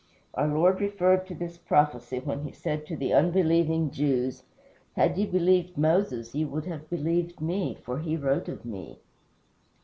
Our Lord referred to this prophecy when he said to the unbelieving Jews, "Had ye believed Moses ye would have believed me, for he wrote of me."